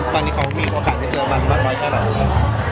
ตอนนี้เขามีโอกาสที่เจอมันมากน้อยขนาดไหนครับ